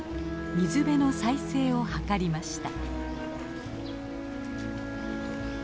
水辺の再生を図りました。